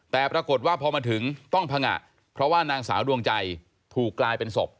แต่ปรากฏว่าพอมาถึงต้องพังงะเพราะว่านางสาวดวงใจถูกกลายเป็นศพ